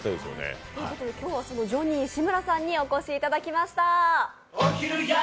ジョニー志村さんにお越しいただきました。